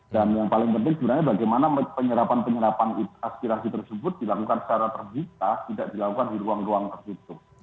dan yang paling penting sebenarnya bagaimana penyerapan penyerapan aspirasi tersebut dilakukan secara terbisa tidak dilakukan di ruang ruang tersebut